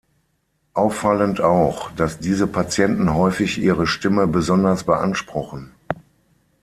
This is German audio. Auffallend auch, dass diese Patienten häufig ihre Stimme besonders beanspruchen.